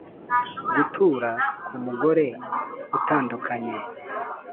gutura ku mugore utandukanye;